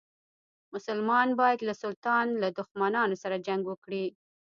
مسلمان باید له سلطان له دښمنانو سره جنګ وکړي.